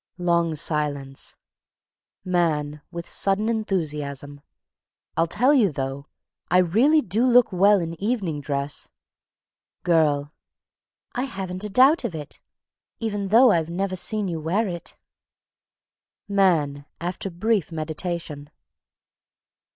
(Long silence.) MAN. (With sudden enthusiasm.) "I'll tell you, though, I really do look well in evening dress." GIRL. "I haven't a doubt of it, even though I've never seen you wear it." MAN. (_After brief meditation.